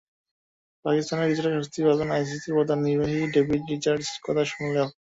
পাকিস্তানিরা কিছুটা স্বস্তি পাবেন আইসিসির প্রধান নির্বাহী ডেভিড রিচার্ডসনের কথা শুনলেও।